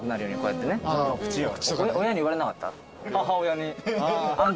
母親に。